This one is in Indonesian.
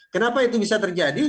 kenapa itu bisa terjadi